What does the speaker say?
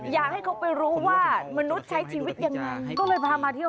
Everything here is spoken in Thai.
อยากให้เขาไปรู้ว่ามนุษย์ใช้ชีวิตอย่างนี้